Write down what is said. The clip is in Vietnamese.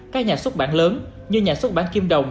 các nhà xuất bản lớn như nhà xuất bản kim đồng